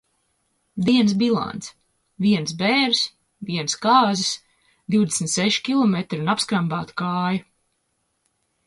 Dienas bilance: Vienas bēres, vienas kāzas, divdesmit seši kilometri un apskrambāta kāja.